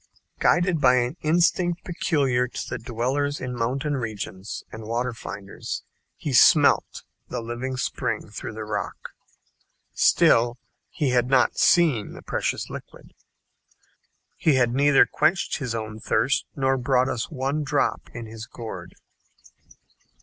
Guided by an instinct peculiar to the dwellers in mountain regions and water finders, he "smelt" the living spring through the rock. Still he had not seen the precious liquid. He had neither quenched his own thirst, nor brought us one drop in his gourd.